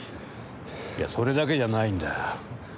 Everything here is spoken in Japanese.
いやそれだけじゃないんだ。